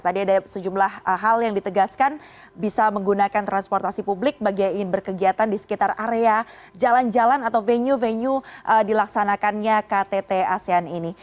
tadi ada sejumlah hal yang ditegaskan bisa menggunakan transportasi publik bagi yang ingin berkegiatan di sekitar area jalan jalan atau venue venue dilaksanakannya ktt asean ini